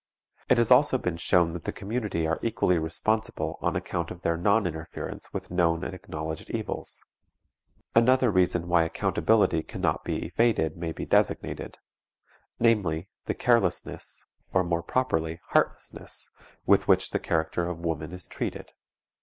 It has also been shown that the community are equally responsible on account of their non interference with known and acknowledged evils. Another reason why accountability can not be evaded may be designated; namely, the carelessness, or, more properly, heartlessness, with which the character of woman is treated.